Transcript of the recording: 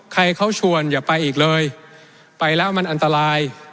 ใครเขาชวนอย่าไปอีกเลยไปแล้วมันอันตราย